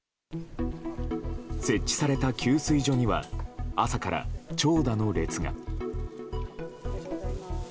設置された給水所には朝から長蛇の列が。